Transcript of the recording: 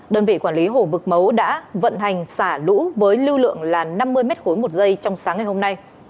đơn vị quản lý hồ vực mấu đã vận hành xả lũ với lưu lượng là năm mươi m ba một giây trong sáng ngày hôm nay